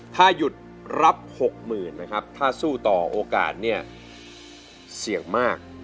ถ้าหยุดรับ๖๐๐๐นะครับถ้าสู้ต่อโอกาสเนี่ยเสี่ยงมาก